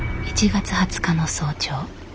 １月２０日の早朝。